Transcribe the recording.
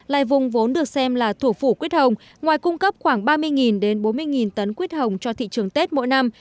lai vùng vốn được xem là thủ phủ quyết hồng ngoài cung cấp khoảng ba mươi bốn mươi tấn quyết hồng cho thị trường tết mỗi năm